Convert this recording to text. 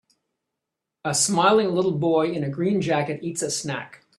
A smiling little boy in a green jacket eats a snack